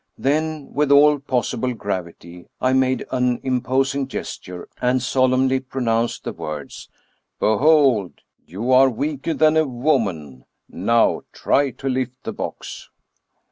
Then, with all possible gravity, I made an imposing ges ture, and solemnly pronounced the words : "Behold! you are weaker than a woman; now, try to Hft the box."